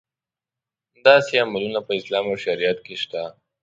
داسې عملونه په اسلام او شریعت کې شته.